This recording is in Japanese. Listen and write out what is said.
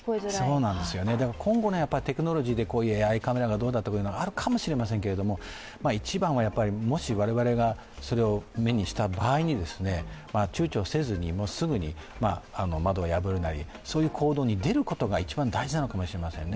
だから今後、テクノロジーでＡＩカメラがどうかとかあるかもしれませんけど一番はもし我々がそれを目にした場合にちゅうちょせずにすぐに窓を破るなり、そういう行動に出るのが一番大事かもしれないですね。